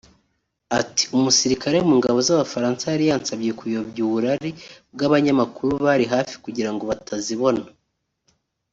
Ati “Umusirikare mu ngabo z’Abafaransa yari yansabye kuyobya uburari bw’abanyamakuru bari hafi kugira ngo batazibona